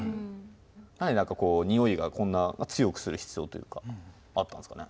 何でニオイがこんな強くする必要というかあったんですかね？